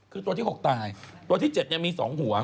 คือตัวที่๖ตายตัวที่๗มี๒หัว